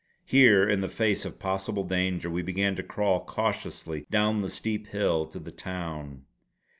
Here in the face of possible danger we began to crawl cautiously down the steep hill to the town.